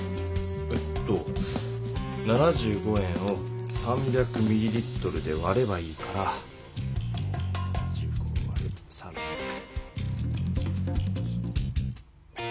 えっと７５円を３００ｍでわればいいから７５わる３００。